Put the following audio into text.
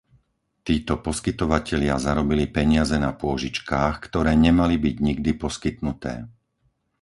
Títo poskytovatelia zarobili peniaze na pôžičkách, ktoré nemali byť nikdy poskytnuté.